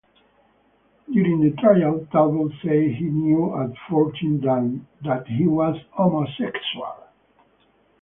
During the trial, Talbot said he knew at fourteen that he was homosexual.